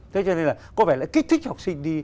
thế cho nên là có vẻ lại kích thích cho học sinh đi